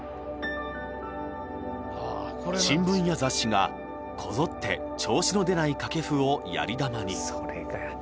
新聞や雑誌がこぞって調子の出ない掛布をやり玉に。